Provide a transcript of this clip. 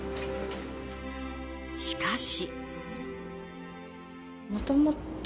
しかし。